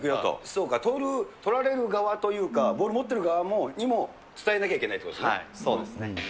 そうか、取られる側というか、ボール持ってる側にも伝えなきゃいけないということですね。